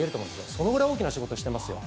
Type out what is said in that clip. そのぐらい大きな仕事をしていますよ。